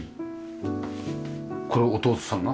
これ弟さんが？